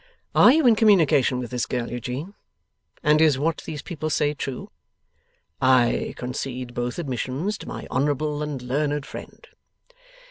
'Are you in communication with this girl, Eugene, and is what these people say true?' 'I concede both admissions to my honourable and learned friend.